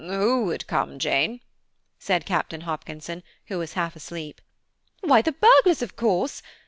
"Who would come, Jane?" said Captain Hopkinson, who was half asleep. "Why, the burglars, of course!